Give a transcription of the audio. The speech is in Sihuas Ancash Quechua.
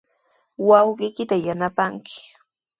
Wawqiykita yanapanki.